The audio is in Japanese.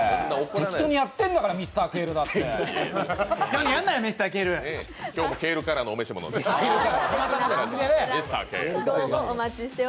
適当にやってんだから、Ｍｒ．ケールだって。